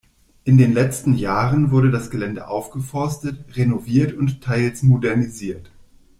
In den letzten Jahren wurde das Gelände aufgeforstet, renoviert und teils modernisiert.